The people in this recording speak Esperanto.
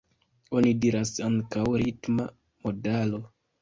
Oni diras ankaŭ ritma modalo.